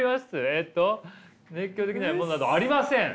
えっと「熱狂できないものなどありません」。